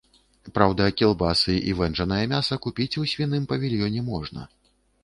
Праўда, кілбасы і вэнджанае мяса купіць у свіным павільёне можна.